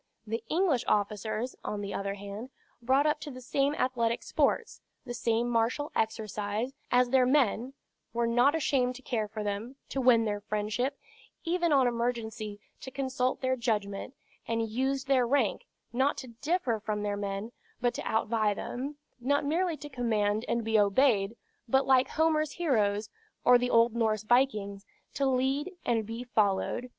The English officers, on the other hand, brought up to the same athletic sports, the same martial exercise, as their men, were not ashamed to care for them, to win their friendship, even on emergency to consult their judgment; and used their rank, not to differ from their men, but to outvie them; not merely to command and be obeyed, but like Homer's heroes, or the old Norse vikings, to lead and be followed.